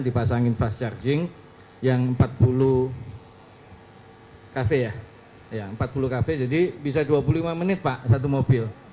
di pasangin fast charging yang empat puluh kv ya jadi bisa dua puluh lima menit pak satu mobil